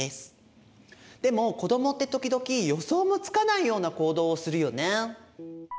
でも子どもって時々予想もつかないような行動をするよね。